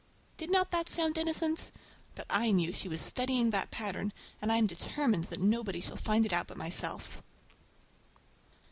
Did not that sound innocent? But I know she was studying that pattern, and I am determined that nobody shall find it out but myself!